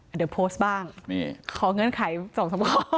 เดี๋ยวโพสต์บ้างขอเงินไข๒๓ข้อ